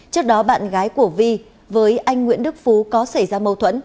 trước đó bạn gái của vi với anh nguyễn đức phú có xảy ra mâu thuẫn